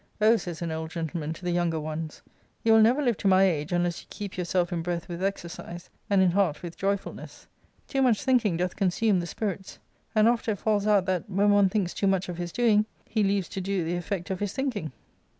" Oh," says an old gentleman to the younger ones, "you will never live to my age unless you keep yourself in breath with exercise, and in heart with joyfulness: too much thinking doth consume the spirits; and oft it falls out that, when one thinks too much of his doing, he leaves to do the effect of his thinking."